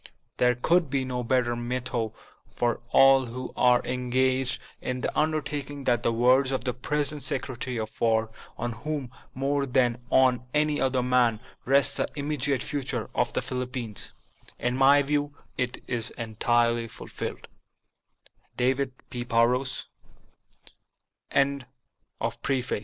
There could be no better motto for all who are engaged in this undertaking than the words of the present Secretary of War, on whom, more than on any other man, rests the immediate future of the Philippines, "In my view, a duty is a